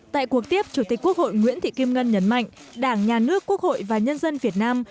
tại cuộc tiếp chủ tịch quốc hội nguyễn thị kim ngân nhấn mạnh đảng nhà nước quốc hội và nhân dân việt nam